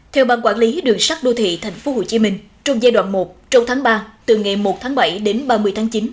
theo ban quản lý đường sắt đô thị tp hcm trong giai đoạn một trong tháng ba từ ngày một tháng bảy đến ba mươi tháng chín